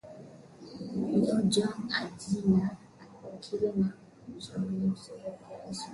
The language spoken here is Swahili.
ni ojwang agina wakili na mchambuzi wa siasa kutoka nairobi